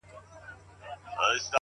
چي په پسي به زړه اچوې-